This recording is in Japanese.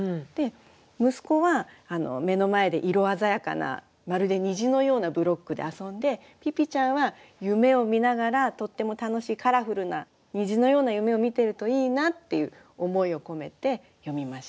息子は目の前で色鮮やかなまるで虹のようなブロックで遊んでピピちゃんは夢を見ながらとっても楽しいカラフルな虹のような夢を見てるといいなっていう思いを込めて詠みました。